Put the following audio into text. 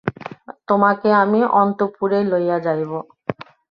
তােমাকে আমি অন্তঃপুরেই লইয়া যাইব।